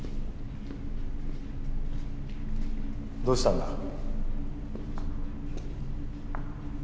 どうしたんだ。